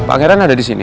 pangeran ada di sini